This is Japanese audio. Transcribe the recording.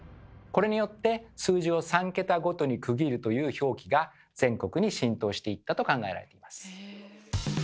これによって数字を３桁ごとに区切るという表記が全国に浸透していったと考えられています。